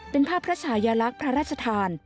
เป็นภาพพระชายลักษณ์พระราชทาน